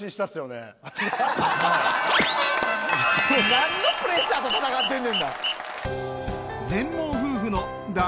何のプレッシャーと闘ってんねんな。